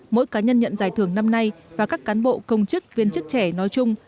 mỗi cá nhân nhận giải thưởng năm nay và các cán bộ công chức viên chức trẻ nói chung